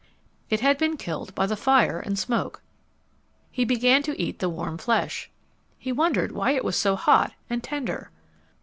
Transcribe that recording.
It had been killed by the fire and smoke. He began to eat the warm flesh. He wondered why it was so hot and tender.